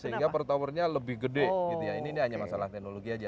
sehingga per towernya lebih gede gitu ya ini hanya masalah teknologi aja